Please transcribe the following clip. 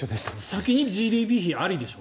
先にＧＤＰ比ありでしょ。